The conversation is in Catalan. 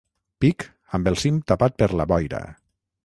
Pic amb el cim tapat per la boira.